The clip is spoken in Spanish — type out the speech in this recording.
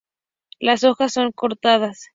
Las hojas son cordadas.